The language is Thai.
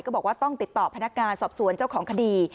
บอกว่าต้องติดต่อพนักงานสอบสวนเจ้าของคดี